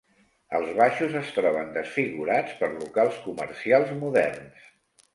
Els baixos es troben desfigurats per locals comercials moderns.